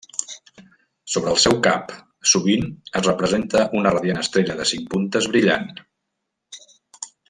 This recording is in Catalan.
Sobre el seu cap sovint es representa una radiant estrella de cinc puntes brillant.